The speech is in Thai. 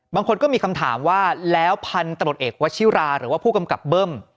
บางคนก็มีคำถามว่าแล้วพันธุ์ตำรวจเอกวัชิราหรือว่าผู้กำกับเบิ้ม